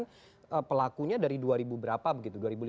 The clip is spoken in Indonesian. jadi pelakunya dari dua ribu berapa begitu